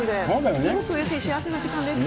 すごくうれしい、幸せな時間でした。